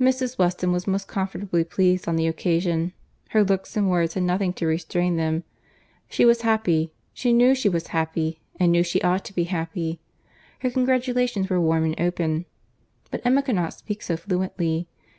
Mrs. Weston was most comfortably pleased on the occasion. Her looks and words had nothing to restrain them. She was happy, she knew she was happy, and knew she ought to be happy. Her congratulations were warm and open; but Emma could not speak so fluently.